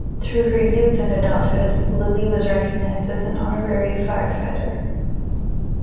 Through her youth and adulthood Lillie was recognized as an honorary firefighter.